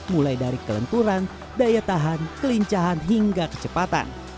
mulai dari kelenturan daya tahan kelincahan hingga kecepatan